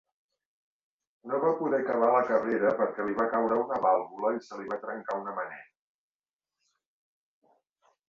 No va poder acabar la carrera perquè li va caure una vàlvula i se li va trencar una maneta.